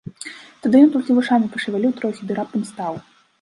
Тады ён толькі вушамі пашавяліў трохі ды раптам стаў.